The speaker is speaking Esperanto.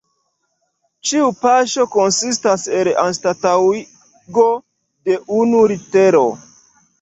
Ĉiu paŝo konsistas el anstataŭigo de unu litero.